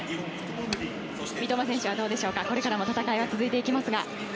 三笘選手はどうでしょうかこれからも戦いは続いていきますが。